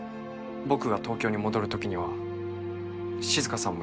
僕が東京に戻る時には静さんも一緒に。